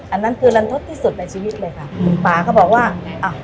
อันนั้นคือรันทดที่สุดในชีวิตเลยค่ะอืมป่าก็บอกว่าไงอ่ะ